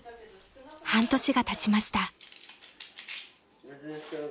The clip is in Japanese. ［半年がたちました］